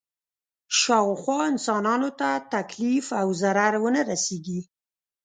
شاوخوا انسانانو ته تکلیف او ضرر ونه رسېږي.